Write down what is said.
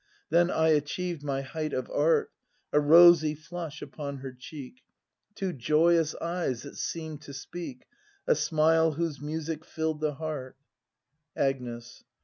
— Then I achieved my height of art: A rosy flush upon her cheek, Two joyous eyes that seem'd to speak, A smile whose music filled the heart — Agnes.